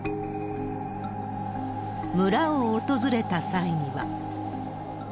村を訪れた際には。